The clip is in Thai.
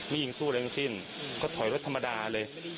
ยิงสู้อะไรทั้งสิ้นก็ถอยรถธรรมดาเลย